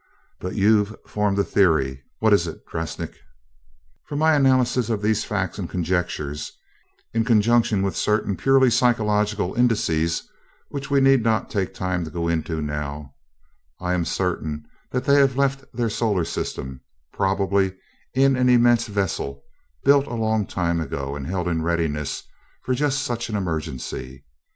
But you've formed a theory what is it, Drasnik?" "From my analysis of these facts and conjectures, in conjunction with certain purely psychological indices which we need not take time to go into now, I am certain that they have left their solar system, probably in an immense vessel built a long time ago and held in readiness for just such an emergency.